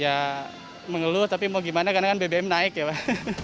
ya mengeluh tapi mau gimana karena kan bbm naik ya pak